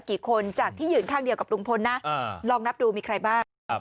กี่คนจากที่ยืนข้างเดียวกับลุงพลนะลองนับดูมีใครบ้าง